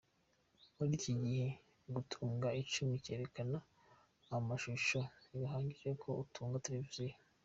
Muri iki gihe, gutunga icyuma cyerekana amashusho ntibihagije ngo utunge televiziyo.